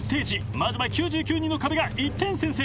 ［まずは９９人の壁が１点先制］